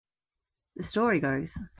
The Story Goes...